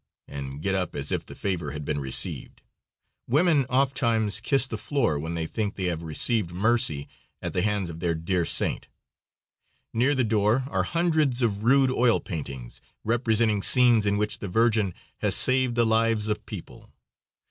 and get up as if the favor had been received. Women ofttimes kiss the floor when they think they have received mercy at the hands of their dear saint. Near the door are hundreds of rude oil paintings representing scenes in which the Virgin has saved the lives of people.